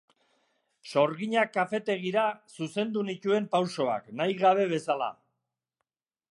Sorginak kafetegira zuzendu nituen pausoak, nahi gabe bezala.